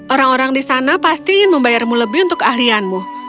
orang orang di sana pasti ingin membayarmu lebih untuk keahlianmu